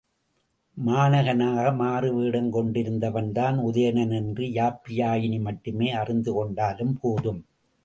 மாணகனாக மாறுவேடங் கொண்டிருந்தவன்தான் உதயணன் என்று யாப்பியாயினி மட்டுமே அறிந்து கொண்டாலும் போதும்.